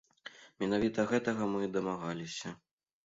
Менавіта гэтага мы і дамагаліся.